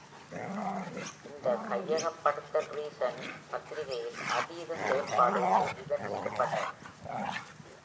இந்த கையகப்படுத்தல் "Reason" பத்திரிகையில் "அதீத செயல்பாடு” என்று விமர்சிக்கப்பட்டது.